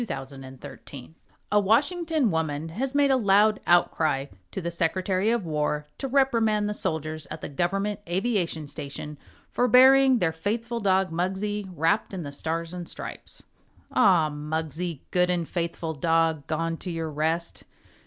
THE FLAG AND THE FAITHFUL (A Washington woman has made a loud outcry to the Secretary of War to reprimand the soldiers at the Government Aviation Station for burying their faithful dog, Muggsie, wrapped in the Stars and Stripes.) Ah, Muggsie, good and faithful dog, Gone to your rest!